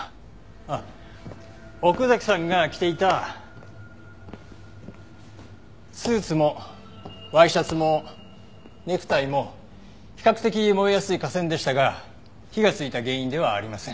あっ奥崎さんが着ていたスーツもワイシャツもネクタイも比較的燃えやすい化繊でしたが火がついた原因ではありません。